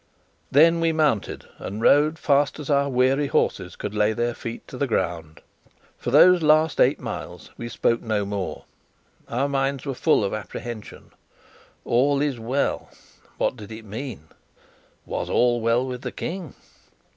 Then we mounted, and rode as fast as our weary horses could lay their feet to the ground. For those last eight miles we spoke no more. Our minds were full of apprehension. "All is well." What did it mean? Was all well with the King?